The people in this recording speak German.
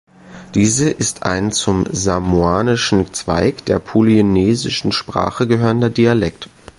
Diese ist ein zum samoanischen Zweig der polynesischen Sprachen gehörender Dialekt.